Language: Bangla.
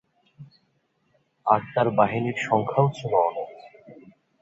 আর তার বাহিনীর সংখ্যাও ছিল অনেক।